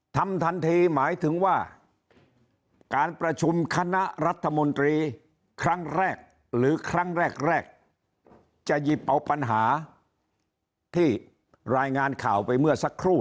ทำทันทีหมายถึงว่าการประชุมคณะรัฐมนตรีครั้งแรกหรือครั้งแรกแรกจะหยิบเอาปัญหาที่รายงานข่าวไปเมื่อสักครู่